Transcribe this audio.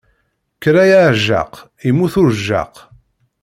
Kker a ɛejjaq, immut urejjaq.